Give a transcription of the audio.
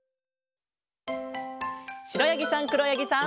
しろやぎさんくろやぎさん。